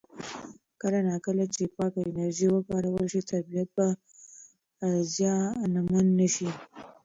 کله نا کله چې پاکه انرژي وکارول شي، طبیعت به زیانمن نه شي.